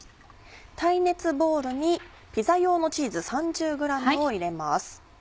耐熱ボウルにピザ用のチーズ３０ｇを入れます。